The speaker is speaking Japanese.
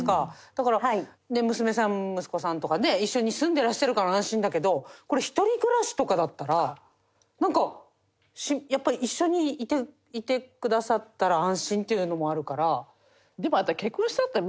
だから娘さん息子さんとかね一緒に住んでらっしゃるから安心だけどこれ１人暮らしとかだったらなんかやっぱり一緒にいてくださったら安心っていうのもあるから。